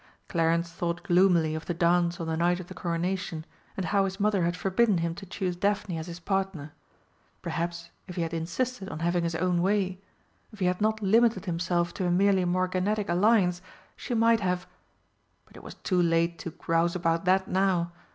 Clarence thought gloomily of the dance on the night of the Coronation, and how his mother had forbidden him to choose Daphne as his partner. Perhaps, if he had insisted on having his own way if he had not limited himself to a merely morganatic alliance, she might have but it was too late to grouse about that now!